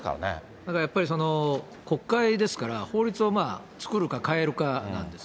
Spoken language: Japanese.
だからやっぱりその国会ですから、法律を作るか変えるかなんです。